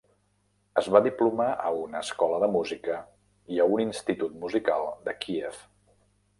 Es va diplomar a una escola de música i a un institut musical a Kíev.